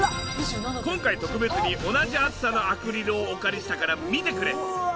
今回特別に同じ厚さのアクリルをお借りしたから見てくれ！